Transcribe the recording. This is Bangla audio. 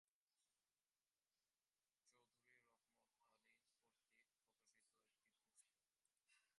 চৌধুরী রহমত আলি কর্তৃক প্রকাশিত একটি পুস্তিকা।